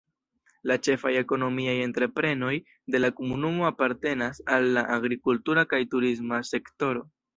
La ĉefaj ekonomiaj entreprenoj de la komunumo apartenas al la agrikultura kaj turisma sektoro.